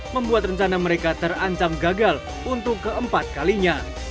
membuat rencana mereka terancam gagal untuk keempat kalinya